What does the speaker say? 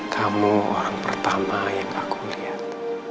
kamu orang pertama yang aku lihat